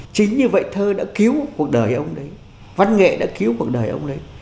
chính như vậy thơ đã cứu cuộc đời ông đấy văn nghệ đã cứu cuộc đời ông ấy